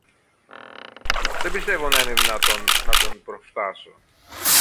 Δεν πιστεύω να είναι δυνατόν να τον προφθάσω.